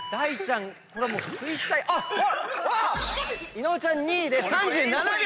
伊野尾ちゃん２位で３７秒！